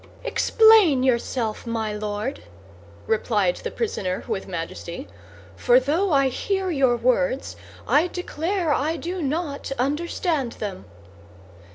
"Explain yourself, my Lord," replied the prisoner, with majesty; "for though I hear your words, I declare I do not understand them."